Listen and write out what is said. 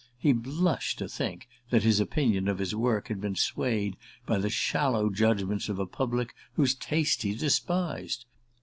He blushed to think that his opinion of his work had been swayed by the shallow judgments of a public whose taste he despised.